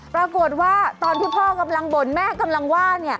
ปรากฏว่าตอนที่พ่อกำลังบ่นแม่กำลังว่า